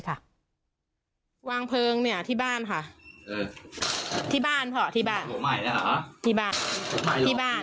วางเพลิงเนี้ยที่บ้านค่ะเออที่บ้านพอที่บ้านหัวใหม่เนี้ยหรอ